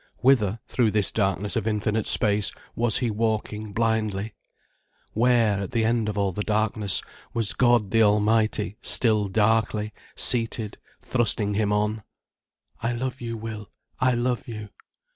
Whither, through this darkness of infinite space, was he walking blindly? Where, at the end of all the darkness, was God the Almighty still darkly, seated, thrusting him on? "I love you, Will, I love you."